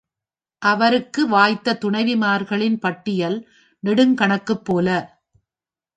அவருக்கு வாய்த்த துணைவிமார்களின் பட்டியல் நெடுங்கணக்குப் போல.